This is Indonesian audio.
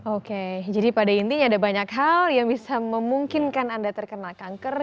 oke jadi pada intinya ada banyak hal yang bisa memungkinkan anda terkena kanker